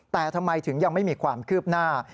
แต่ทำไมถึงยังไม่มีความคืบหน้า